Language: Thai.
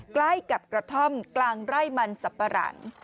ใกล้กับกระท่อมกลางไร่มันสับปะหลัง